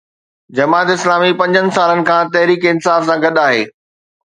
جماعت اسلامي پنجن سالن کان تحريڪ انصاف سان گڏ آهي.